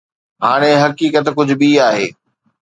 هاڻي حقيقت ڪجهه ٻي آهي.